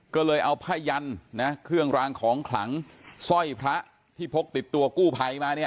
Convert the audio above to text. ก็เลยเอาผ้ายันนะเครื่องรางของขลังสร้อยพระที่พกติดตัวกู้ภัยมาเนี่ย